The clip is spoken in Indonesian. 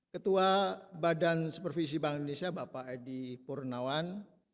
ketua badan supervisi bank indonesia bapak edi purnawan